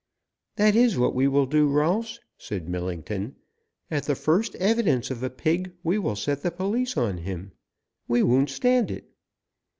"That is what we will do, Rolfs," said Millington, "at the first evidence of a pig we will set the police on him. We won't stand it!"